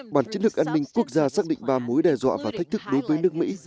bản chiến lược an ninh quốc gia xác định ba mối đe dọa và thách thức đối với nước mỹ